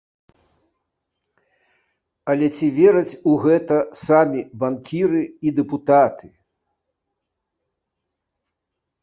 Але ці вераць у гэта самі банкіры і дэпутаты?